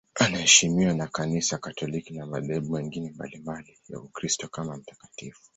Anaheshimiwa na Kanisa Katoliki na madhehebu mengine mbalimbali ya Ukristo kama mtakatifu.